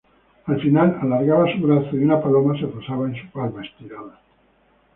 Al final, alargaba su brazo y una paloma se posaba en su palma estirada.